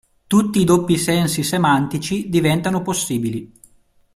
Tutti i doppi sensi semantici diventavano possibili.